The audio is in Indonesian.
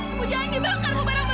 ibu jangan dibakar barang barang ayah